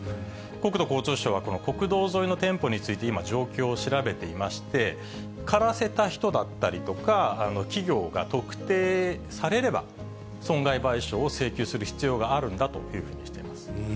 国土交通省は、この国道沿いの店舗について今、状況を調べていまして、枯らせた人だったりとか、企業が特定されれば、損害賠償を請求する必要があるんだというふうにしています。